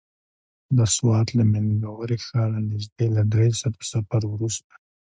د سوات له مينګورې ښاره نژدې له دری ساعته سفر وروسته.